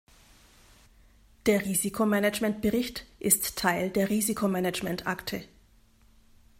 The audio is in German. Der Risikomanagement-Bericht ist Teil der Risikomanagement-Akte.